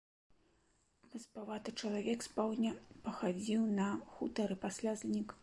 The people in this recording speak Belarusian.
Васпаваты чалавек з паўдня пахадзіў на хутары, пасля знік.